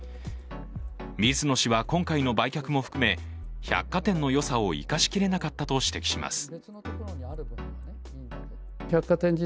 水野氏は今回の売却も含め、百貨店のよさを生かしきれなかったと話します。